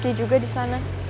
ada rifqi juga disana